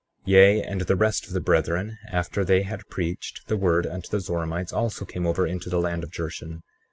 35:2 Yea, and the rest of the brethren, after they had preached the word unto the Zoramites, also came over into the land of Jershon.